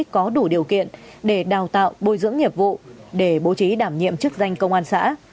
có đủ điều kiện để đào tạo bồi dưỡng nghiệp vụ để bố trí đảm nhiệm chức danh công an xã